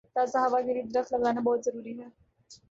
تازہ ہوا کے لیے درخت لگانا بہت ضروری ہے